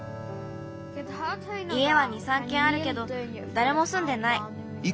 いえは２３けんあるけどだれもすんでない。